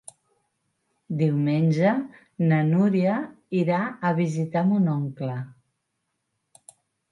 Diumenge na Núria irà a visitar mon oncle.